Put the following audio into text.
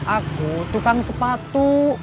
aku tukang sepatu